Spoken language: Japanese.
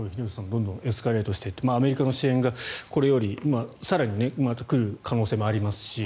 どんどんエスカレートしてアメリカの支援がこれより更に来る可能性もありますし